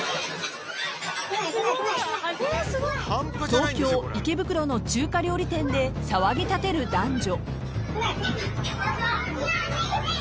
［東京池袋の中華料理店で騒ぎ立てる男女］